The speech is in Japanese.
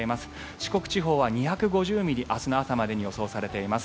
四国地方は２５０ミリ明日の朝までに予想されています。